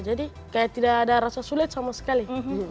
jadi kayak tidak ada rasa sulit sama sekali